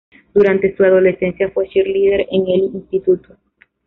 Durante su adolescencia, fue cheerleader en el instituto.